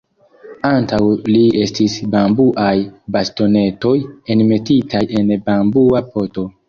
Antaŭ ni estis bambuaj bastonetoj enmetitaj en bambua poto.